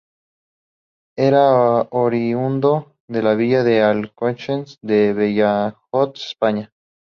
Era oriundo de la villa de Alconchel en Badajoz, España.